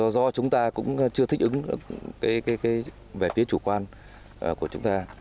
do chúng ta cũng chưa thích ứng cái bẻ phía chủ quan của chúng ta